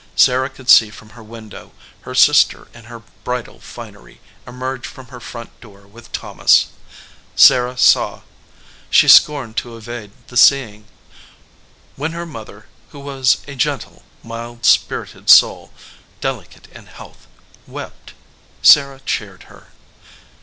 Sarah could see from her window her sister in her bridal finery emerge from her front door with Thomas. Sarah saw; she scorned to evade the seeing. When her 10 SARAH EDGEWATER mother, who was a gentle, mild spirited soul, deli cate in health, wept, Sarah cheered her.